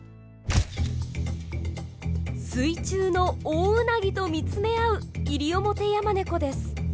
水中のオオウナギと見つめ合うイリオモテヤマネコです。